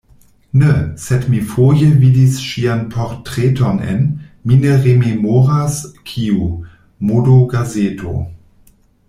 Ne, sed mi foje vidis ŝian portreton en, mi ne rememoras kiu, modogazeto.